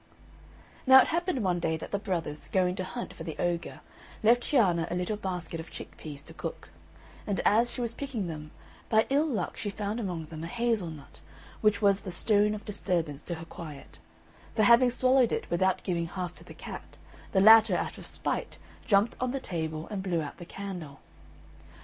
Now it happened one day that the brothers, going to hunt for the ogre, left Cianna a little basket of chick peas to cook; and as she was picking them, by ill luck she found among them a hazel nut, which was the stone of disturbance to her quiet; for having swallowed it without giving half to the cat, the latter out of spite jumped on the table and blew out the candle.